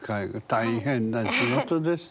大変な仕事ですね。